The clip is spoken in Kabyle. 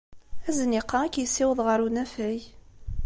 Azniq-a ad k-yessiweḍ ɣer unafag.